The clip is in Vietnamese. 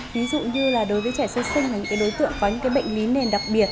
ví dụ như là đối với trẻ sơ sinh là những đối tượng có những bệnh lý nền đặc biệt